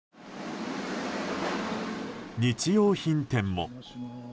日用品店も。